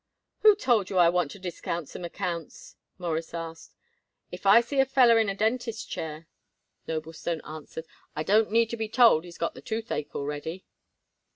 "Who told you I want to discount some accounts?" Morris asked. "If I see a feller in a dentist's chair," Noblestone answered, "I don't need to be told he's got the toothache already."